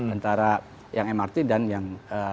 antara yang mrt dan yang